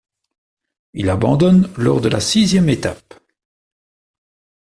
Il abandonne lors de la sixième étape.